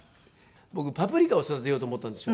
僕パプリカを育てようと思ったんですよ。